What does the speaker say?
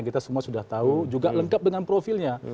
kita semua sudah tahu juga lengkap dengan profilnya